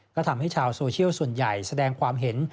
ก็ทำให้ชาวโซเชียลส่วนใหญ่แสดงความเห็น